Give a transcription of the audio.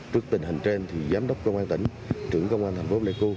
trước tình hình trên thì giám đốc công an tỉnh trưởng công an thành phố pleiku